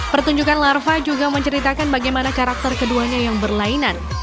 pertunjukan larva juga menceritakan bagaimana karakter keduanya yang berlainan